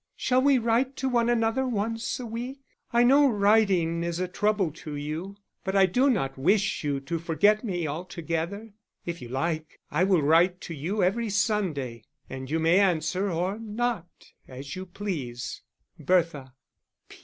_ _Shall we write to one another once a week? I know writing is a trouble to you; but I do not wish you to forget me altogether. If you like, I will write to you every Sunday, and you may answer or not as you please._ _BERTHA.